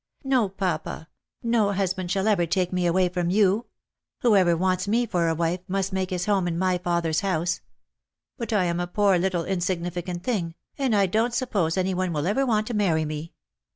" No, papa ; no husband shall ever take me away from you ! Whoever wants me for a wife must make his home in my father's house. But I am a poor little insignificant thing, and I don't suppose any one will ever want to marry me.